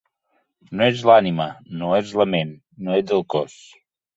No ets l'ànima, no ets la ment, no ets el cos.